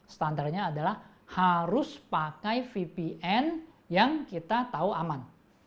standarnya adalah harus pakai vpn yang kita tahu aman